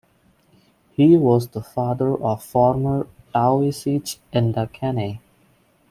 He was the father of former Taoiseach Enda Kenny.